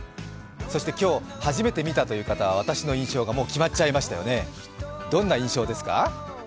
そして今日、初めて見たという方は私の印象がもう決まっちゃいましたよね、どんな印象ですか？